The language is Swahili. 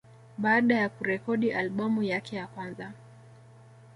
Baada ya kurekodi albamu yake ya kwanza